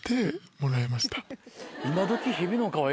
今どき。